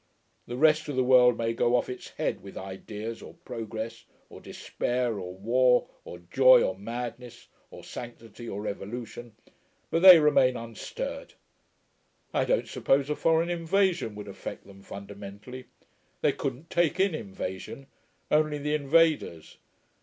The rest of the world may go on its head with ideas, or progress, or despair, or war, or joy, or madness, or sanctity, or revolution but they remain unstirred. I don't suppose a foreign invasion would affect them fundamentally. They couldn't take in invasion, only the invaders.